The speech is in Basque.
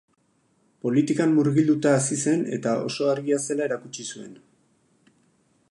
Politikan murgilduta hazi zen eta oso argia zela erakutsi zuen.